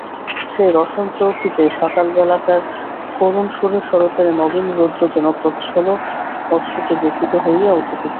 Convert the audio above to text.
সেই রসনচৌকিতে সকালবেলাকার করুণসুরে শরতের নবীন রৌদ্র যেন প্রচ্ছন্ন অশ্রুভাবে ব্যথিত হইয়া উঠিতেছিল।